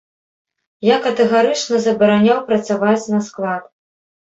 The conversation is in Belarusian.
Я катэгарычна забараняў працаваць на склад!